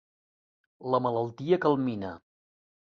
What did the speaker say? La malaltia que el mina.